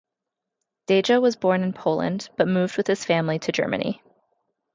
Deja was born in Poland, but moved with his family to Germany.